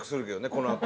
このあと。